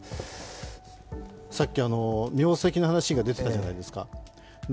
さっき名跡の話が出てたじゃないですか。